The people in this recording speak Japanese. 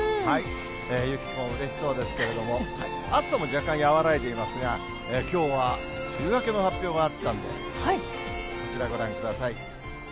ゆきポもうれしそうですけれども、暑さも若干和らいでいますが、きょうは梅雨明けの発表があったんで、こちらご覧ください。